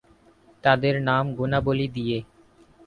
তাদের নাম গুণাবলী দিয়ে।